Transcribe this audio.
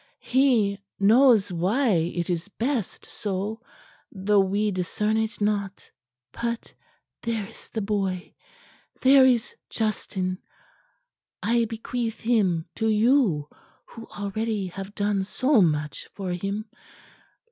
He knows why it is best so, though we discern it not. But there is the boy; there is Justin. I bequeath him to you who already have done so much for him.